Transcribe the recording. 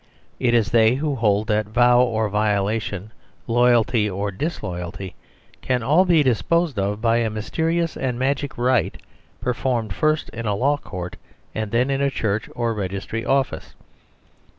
It is they who hold that vow or violation, loyalty or disloyalty, can all be disposed of by a mysterious and magic rite, performed first in a law court and 93 24 The Superstition of Divorce then in a church or a registry office.